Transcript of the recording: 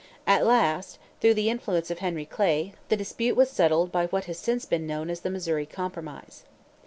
At last, through the influence of Henry Clay, the dispute was settled by what has since been known as the Missouri Compromise.